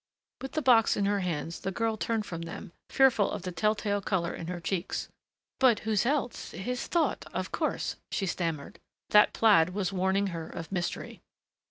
With the box in her hands the girl turned from them, fearful of the tell tale color in her cheeks. "But whose else his thought, of course," she stammered. That plaid was warning her of mystery.